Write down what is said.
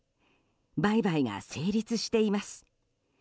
売買が成立しています。